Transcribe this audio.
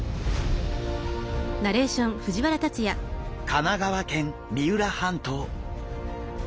神奈川県三浦半島。